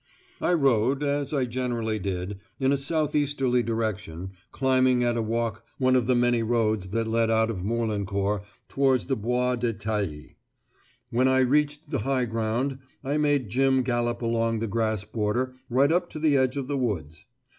I rode, as I generally did, in a south easterly direction, climbing at a walk one of the many roads that led out of Morlancourt towards the Bois des Tailles. When I reached the high ground I made Jim gallop along the grass border right up to the edge of the woods.